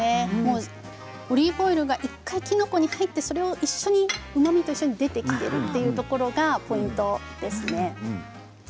オリーブオイルが１回きのこに入ってそれが一緒にうまみとして出てくるところがポイントですね。